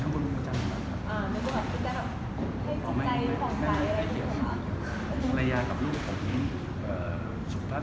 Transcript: ยังนักฟูมาตลอดเพราะแบบไม่ทำอะไรต่อได้หรือเปล่า